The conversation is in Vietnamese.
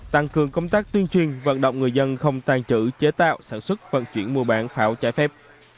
tăng cường công tác tuyên truyền vận động người dân không tàn trữ chế tạo sản xuất phận chuyển mua bán pháo trái phép